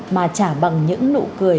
mà trả bằng những nụ cười